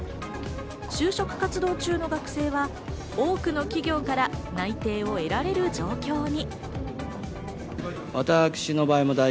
就職活動中の学生は多くの企業から内定を得られる状況に。